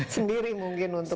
sendiri mungkin untuk